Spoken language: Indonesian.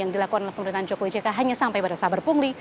dilakukan oleh pemerintahan joko wijeka hanya sampai pada sabar pungli